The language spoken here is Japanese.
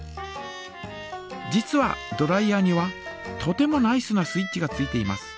実はドライヤーにはとてもナイスなスイッチがついています。